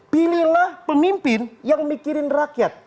pilihlah pemimpin yang mikirin rakyat